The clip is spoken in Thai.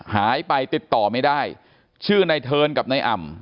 หายไปติดต่อไม่ได้ชื่อในเทิร์นกับนายอ่ำ